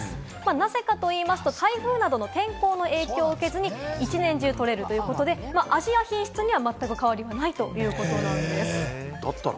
なぜかといいますと、台風などの天候の影響を受けずに一年中とれるということで、味や品質にはまったく変わりはないということなんです。